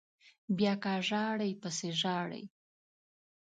بیا که ژاړئ پسې ژاړئ